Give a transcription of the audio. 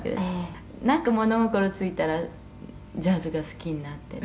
「なんか物心ついたらジャズが好きになってて」